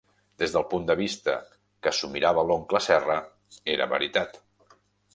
Des del punt de vista que s'ho mirava l'oncle Serra, era veritat.